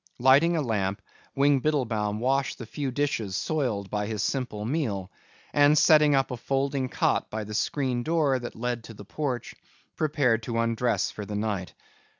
Lighting a lamp, Wing Biddlebaum washed the few dishes soiled by his simple meal and, setting up a folding cot by the screen door that led to the porch, prepared to undress for the night.